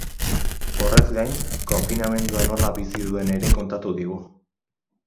Horrez gain, konfinamendua nola bizi duen ere kontatu digu.